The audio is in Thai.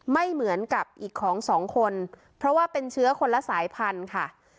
ไม่เหมือนกับอีกของสองคนเพราะว่าเป็นเชื้อคนละสายพันธุ์ค่ะ